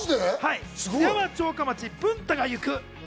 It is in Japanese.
『津山城下町文太がゆく』。